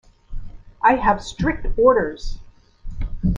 I have strict orders.